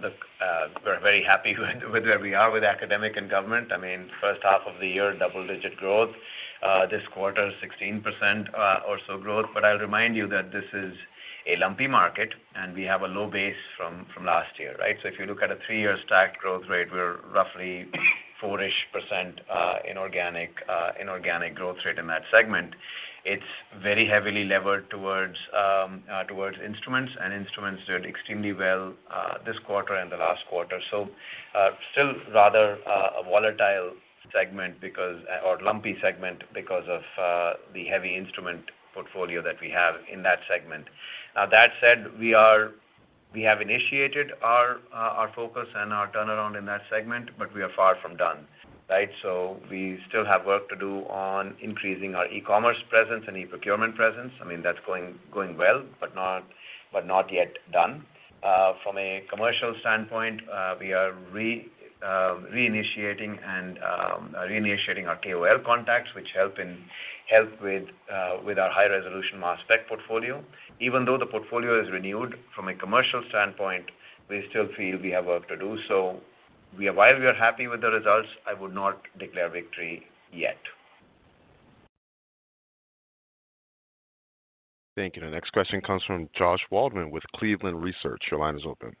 Look, we're very happy with where we are with academic and government. I mean, first half of the year, double-digit growth. This quarter, 16% or so growth. I'll remind you that this is a lumpy market, and we have a low base from last year, right? If you look at a three-year stack growth rate, we're roughly 4%, inorganic growth rate in that segment. It's very heavily levered towards instruments, and instruments did extremely well this quarter and the last quarter. Still rather a lumpy segment because of the heavy instrument portfolio that we have in that segment. Now that said, we have initiated our focus and our turnaround in that segment, but we are far from done. Right? We still have work to do on increasing our e-commerce presence and e-procurement presence. I mean, that's going well, but not yet done. From a commercial standpoint, we are reinitiating our KOL contacts, which help with our high-resolution mass spec portfolio. Even though the portfolio is renewed, from a commercial standpoint, we still feel we have work to do. While we are happy with the results, I would not declare victory yet. Thank you. The next question comes from Josh Waldman with Cleveland Research. Your line is open.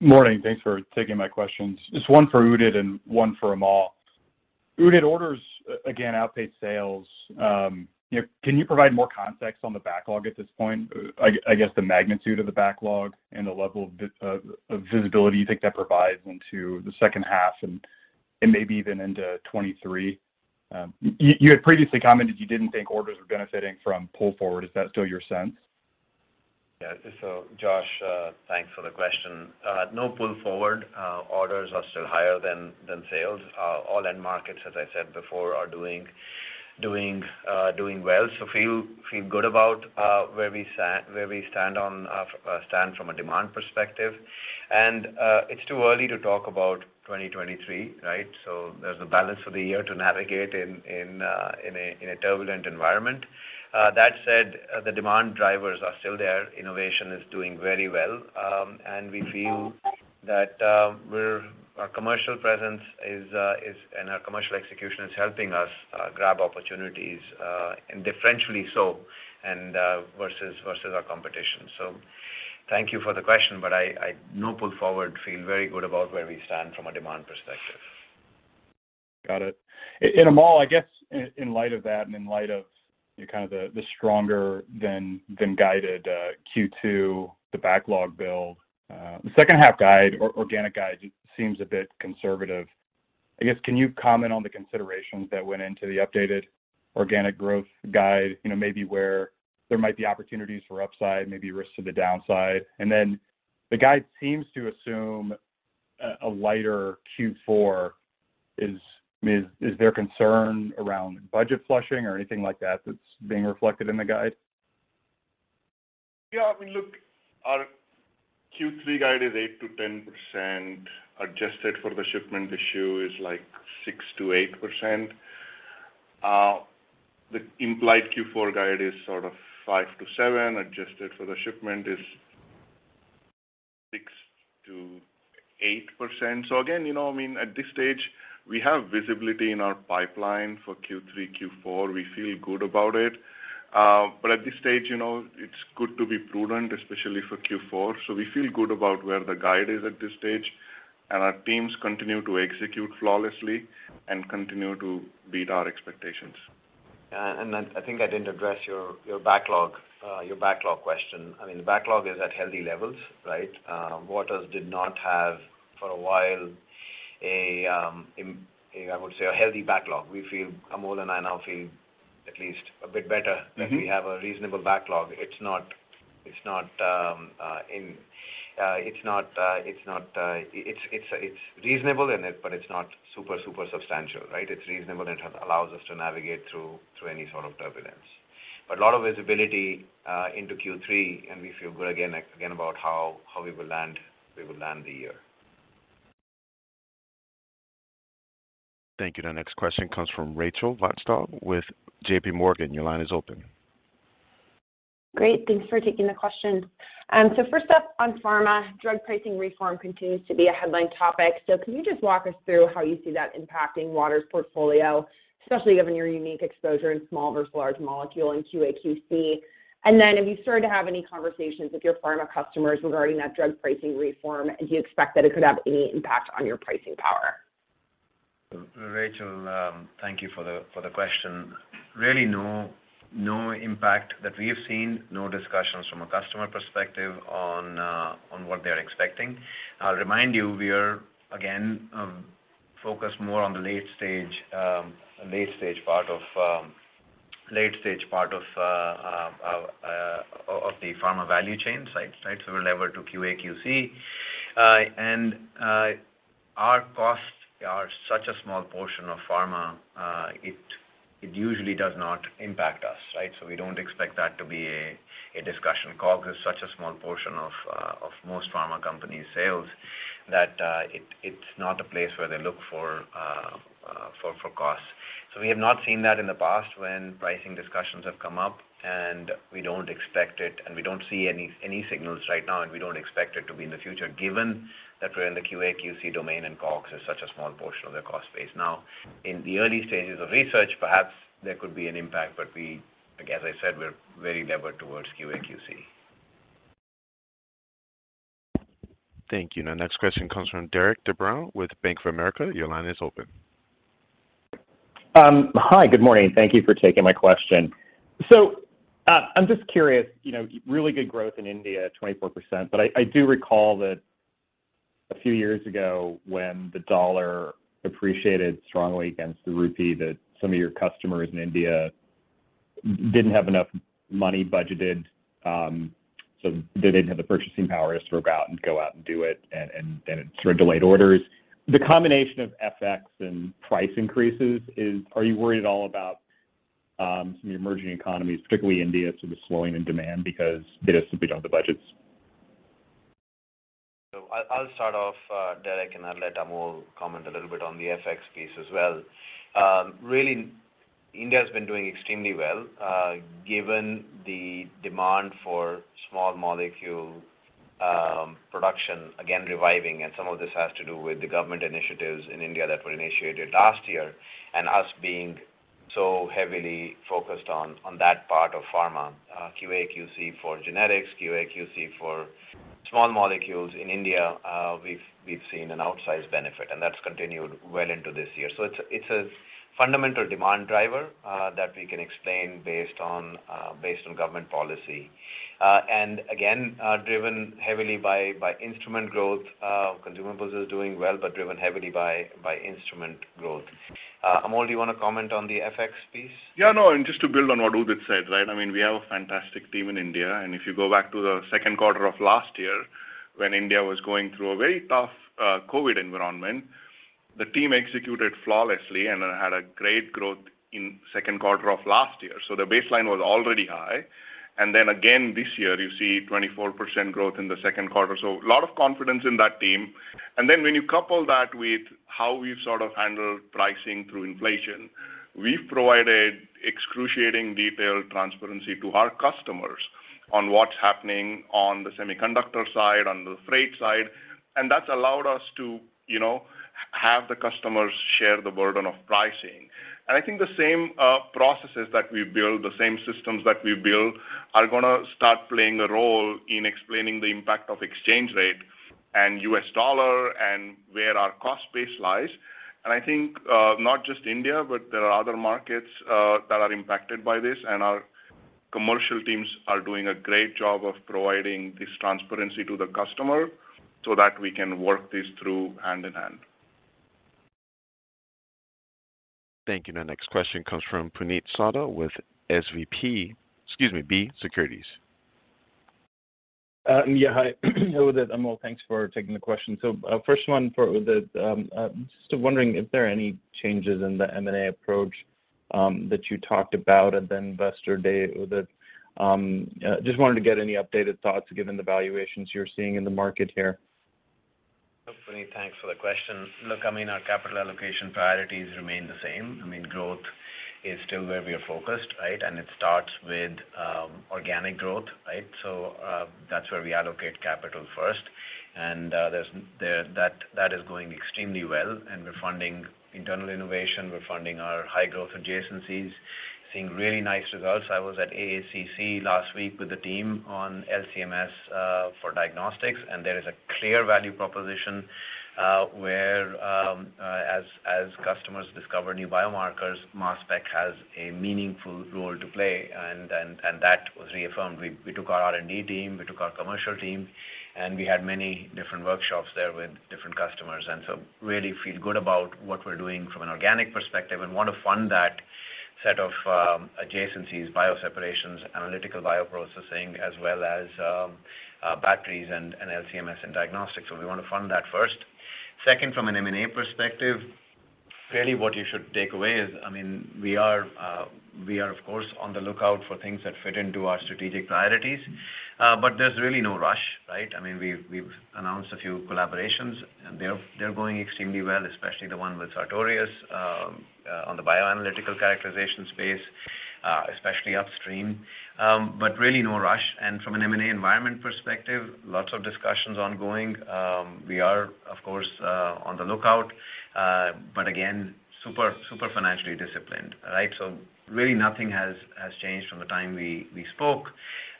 Morning. Thanks for taking my questions. Just one for Udit and one for Amol. Udit, orders again outpaced sales. Can you provide more context on the backlog at this point? I guess the magnitude of the backlog and the level of visibility you think that provides into the second half and maybe even into 2023. You had previously commented you didn't think orders were benefiting from pull forward. Is that still your sense? Yeah. Josh, thanks for the question. No pull forward. Orders are still higher than sales. All end markets, as I said before, are doing well. Feel good about where we stand from a demand perspective. It's too early to talk about 2023, right? There's a balance for the year to navigate in a turbulent environment. That said, the demand drivers are still there. Innovation is doing very well, and we feel that our commercial presence is and our commercial execution is helping us grab opportunities, and differentially so, versus our competition. Thank you for the question, but no pull forward. Feel very good about where we stand from a demand perspective. Got it. Amol, I guess in light of that and in light of kind of the stronger than guided Q2, the backlog build, the second half guide, or organic guide seems a bit conservative. I guess, can you comment on the considerations that went into the updated organic growth guide, you know, maybe where there might be opportunities for upside, maybe risks to the downside? The guide seems to assume a lighter Q4. Is there concern around budget flushing or anything like that that's being reflected in the guide? Yeah, I mean, look, our Q3 guide is 8%-10%. Adjusted for the shipment issue is, like, 6%-8%. The implied Q4 guide is sort of 5%-7%. Adjusted for the shipment is 6%-8%. Again, you know, I mean, at this stage, we have visibility in our pipeline for Q3, Q4. We feel good about it. At this stage, you know, it's good to be prudent, especially for Q4. We feel good about where the guide is at this stage, and our teams continue to execute flawlessly and continue to beat our expectations. I think I didn't address your backlog question. I mean, the backlog is at healthy levels, right? Waters did not have for a while a healthy backlog. Amol and I now feel at least a bit better. Mm-hmm. That we have a reasonable backlog. It's reasonable, but it's not super substantial, right? It's reasonable, and it allows us to navigate through any sort of turbulence. A lot of visibility into Q3, and we feel good again about how we will land the year. Thank you. The next question comes from Rachel Vatnsdal with J.P. Morgan. Your line is open. Great. Thanks for taking the question. First up on pharma, drug pricing reform continues to be a headline topic. Can you just walk us through how you see that impacting Waters' portfolio, especially given your unique exposure in small versus large molecule in QA/QC? Then have you started to have any conversations with your pharma customers regarding that drug pricing reform? Do you expect that it could have any impact on your pricing power? Rachel, thank you for the question. Really no impact that we have seen, no discussions from a customer perspective on what they're expecting. I'll remind you, we are again focused more on the late stage part of the pharma value chain, right? We're levered to QA/QC. Our costs are such a small portion of pharma, it usually does not impact us, right? We don't expect that to be a discussion. COGS is such a small portion of most pharma companies' sales that, it's not a place where they look for costs. We have not seen that in the past when pricing discussions have come up, and we don't expect it, and we don't see any signals right now, and we don't expect it to be in the future, given that we're in the QA/QC domain and COGS is such a small portion of their cost base. Now, in the early stages of research, perhaps there could be an impact, but we, like as I said, we're very levered towards QA/QC. Thank you. Now next question comes from Derik de Bruin with Bank of America. Your line is open. Hi, good morning. Thank you for taking my question. I'm just curious, you know, really good growth in India, 24%, but I do recall that a few years ago when the dollar appreciated strongly against the rupee, that some of your customers in India didn't have enough money budgeted, so they didn't have the purchasing power to sort of go out and do it, and it sort of delayed orders. The combination of FX and price increases. Are you worried at all about some of the emerging economies, particularly India, sort of slowing in demand because they just simply don't have the budgets? I'll start off, Derik, and I'll let Amol comment a little bit on the FX piece as well. Really, India has been doing extremely well, given the demand for small molecule production, again, reviving, and some of this has to do with the government initiatives in India that were initiated last year and us being so heavily focused on that part of pharma, QA/QC for generics, QA/QC for small molecules in India. We've seen an outsized benefit, and that's continued well into this year. It's a fundamental demand driver that we can explain based on government policy. And again, driven heavily by instrument growth. Consumables are doing well, but driven heavily by instrument growth. Amol, do you want to comment on the FX piece? Yeah, no, just to build on what Udit said, right? I mean, we have a fantastic team in India. If you go back to the second quarter of last year, when India was going through a very tough, COVID environment, the team executed flawlessly and had a great growth in second quarter of last year. The baseline was already high. Then again, this year, you see 24% growth in the second quarter. A lot of confidence in that team. Then when you couple that with how we've sort of handled pricing through inflation, we've provided excruciating detailed transparency to our customers on what's happening on the semiconductor side, on the freight side. That's allowed us to, you know, have the customers share the burden of pricing. I think the same processes that we build, the same systems that we build are gonna start playing a role in explaining the impact of exchange rate and US dollar and where our cost base lies. I think not just India, but there are other markets that are impacted by this. Our commercial teams are doing a great job of providing this transparency to the customer so that we can work this through hand in hand. Thank you. Now next question comes from Puneet Souda with SVB Securities. Yeah. Hi. Udit, Amol, thanks for taking the question. First one for Udit. Just wondering if there are any changes in the M&A approach that you talked about at the Investor Day, Udit. Just wanted to get any updated thoughts given the valuations you're seeing in the market here. Puneet, thanks for the question. Look, I mean, our capital allocation priorities remain the same. I mean, growth is still where we are focused, right? It starts with organic growth, right? That's where we allocate capital first. That is going extremely well, and we're funding internal innovation. We're funding our high-growth adjacencies, seeing really nice results. I was at AACC last week with the team on LC-MS for diagnostics, and there is a clear value proposition where as customers discover new biomarkers, Mass Spec has a meaningful role to play and that was reaffirmed. We took our R&D team, we took our commercial team, and we had many different workshops there with different customers. Really feel good about what we're doing from an organic perspective and want to fund that set of adjacencies, bio separations, analytical bioprocessing, as well as batteries and LC-MS and diagnostics. We want to fund that first. Second, from an M&A perspective, really what you should take away is, I mean, we are of course on the lookout for things that fit into our strategic priorities. There's really no rush, right? I mean, we've announced a few collaborations, and they're going extremely well, especially the one with Sartorius on the bioanalytical characterization space, especially upstream. Really no rush. From an M&A environment perspective, lots of discussions ongoing. We are of course on the lookout. Again, super financially disciplined, right? Really nothing has changed from the time we spoke.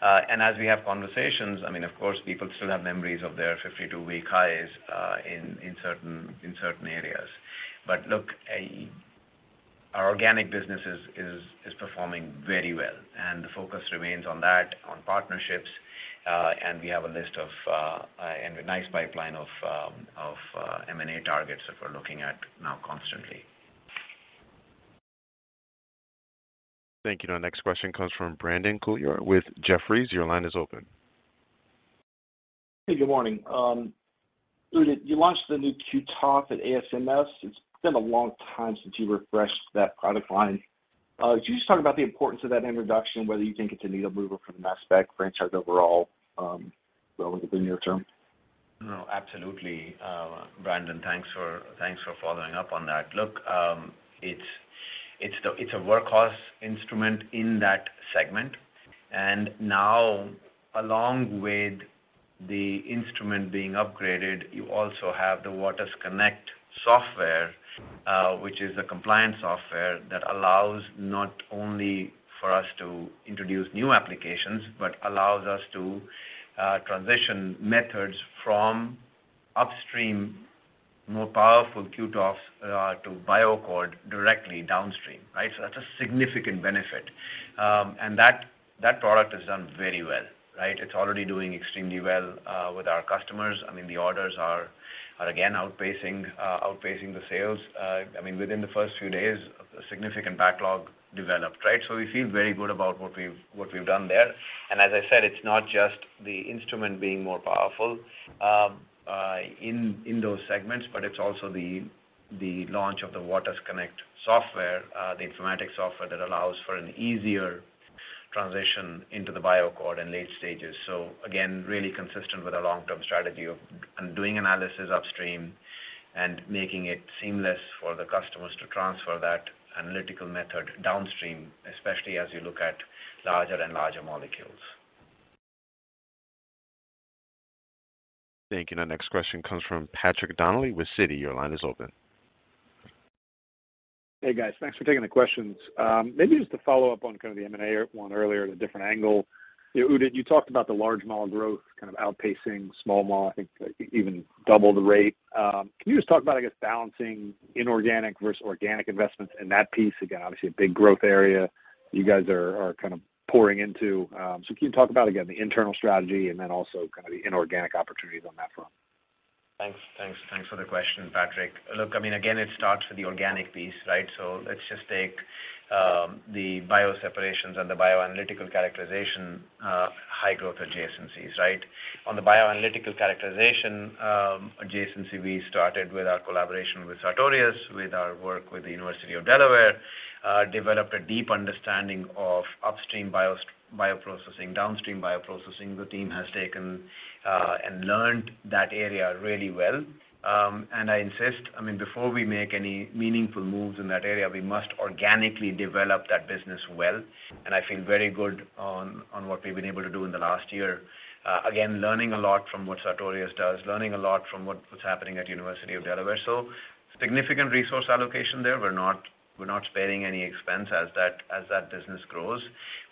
As we have conversations, I mean, of course, people still have memories of their 52-week highs in certain areas. Look, our organic business is performing very well, and the focus remains on that, on partnerships. We have a nice pipeline of M&A targets that we're looking at now constantly. Thank you. Now next question comes from Brandon Couillard with Jefferies. Your line is open. Hey, good morning. Udit, you launched the new QTof at ASMS. It's been a long time since you refreshed that product line. Could you just talk about the importance of that introduction, whether you think it's a needle mover for the MassSpec franchise overall, relevant in the near term? No, absolutely. Brandon, thanks for following up on that. Look, it's a workhorse instrument in that segment. Now, along with the instrument being upgraded, you also have the waters_connect software, which is a compliance software that allows not only for us to introduce new applications, but allows us to transition methods from upstream. More powerful QTOFs to BioAccord directly downstream, right? That's a significant benefit. That product has done very well, right? It's already doing extremely well with our customers. I mean, the orders are again outpacing the sales. I mean, within the first few days, a significant backlog developed, right? We feel very good about what we've done there. As I said, it's not just the instrument being more powerful in those segments, but it's also the launch of the waters_connect software, the informatics software that allows for an easier transition into the BioAccord in late stages. Again, really consistent with our long-term strategy of doing analysis upstream and making it seamless for the customers to transfer that analytical method downstream, especially as you look at larger and larger molecules. Thank you. Now next question comes from Patrick Donnelly with Citi. Your line is open. Hey, guys. Thanks for taking the questions. Maybe just to follow up on kind of the M&A one earlier at a different angle. You know, Udit, you talked about the large molecule growth kind of outpacing small molecule, I think even double the rate. Can you just talk about, I guess, balancing inorganic versus organic investments in that piece? Again, obviously a big growth area you guys are kind of pouring into. Can you talk about again, the internal strategy and then also kind of the inorganic opportunities on that front? Thanks for the question, Patrick. Look, I mean, again, it starts with the organic piece, right? Let's just take the bio separations and the bioanalytical characterization, high growth adjacencies, right? On the bioanalytical characterization, adjacency, we started with our collaboration with Sartorius, with our work with the University of Delaware, developed a deep understanding of upstream bioprocessing, downstream bioprocessing. The team has taken and learned that area really well. I insist, I mean, before we make any meaningful moves in that area, we must organically develop that business well. I feel very good on what we've been able to do in the last year. Again, learning a lot from what Sartorius does, learning a lot from what's happening at University of Delaware. Significant resource allocation there. We're not sparing any expense as that business grows.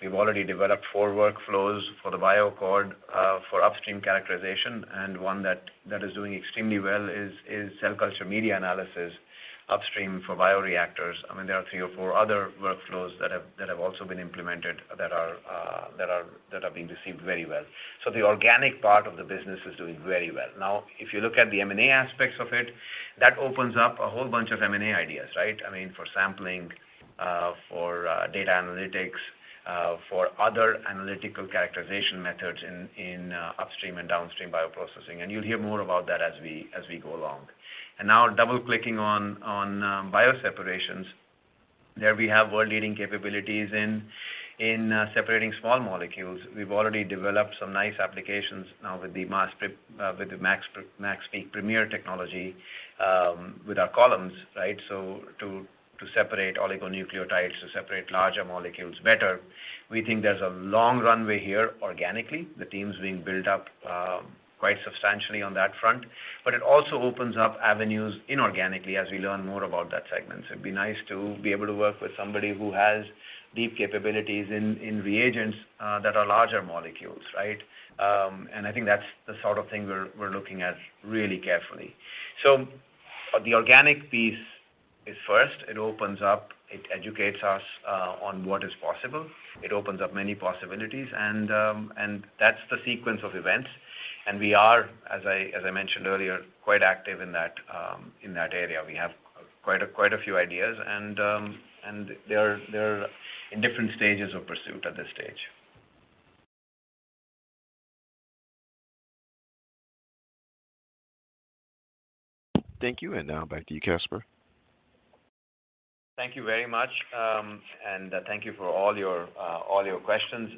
We've already developed four workflows for the BioAccord for upstream characterization, and one that is doing extremely well is cell culture media analysis upstream for bioreactors. I mean, there are three or four other workflows that have also been implemented that are being received very well. So the organic part of the business is doing very well. Now, if you look at the M&A aspects of it, that opens up a whole bunch of M&A ideas, right? I mean, for sampling, for data analytics, for other analytical characterization methods in upstream and downstream bioprocessing. You'll hear more about that as we go along. Now double-clicking on bio separations. There we have world-leading capabilities in separating small molecules. We've already developed some nice applications now with the MaxPeak Premier technology with our columns, right? To separate oligonucleotides, to separate larger molecules better. We think there's a long runway here organically. The team's being built up quite substantially on that front. It also opens up avenues inorganically as we learn more about that segment. It'd be nice to be able to work with somebody who has deep capabilities in reagents that are larger molecules, right? I think that's the sort of thing we're looking at really carefully. The organic piece is first. It opens up. It educates us on what is possible. It opens up many possibilities and that's the sequence of events. We are, as I mentioned earlier, quite active in that area. We have quite a few ideas and they are in different stages of pursuit at this stage. Thank you. Now back to you, Caspar. Thank you very much. Thank you for all your questions.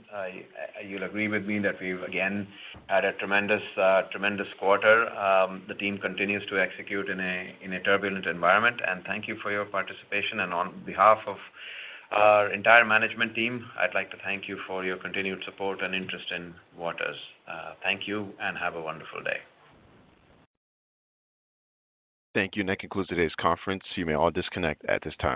You'll agree with me that we've again had a tremendous quarter. The team continues to execute in a turbulent environment. Thank you for your participation. On behalf of our entire management team, I'd like to thank you for your continued support and interest in Waters. Thank you and have a wonderful day. Thank you. That concludes today's conference. You may all disconnect at this time.